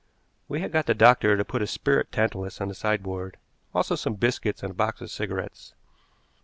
We had got the doctor to put a spirit tantalus on the sideboard, also some biscuits and a box of cigarettes.